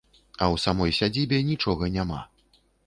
А ў самой сядзібе нічога няма.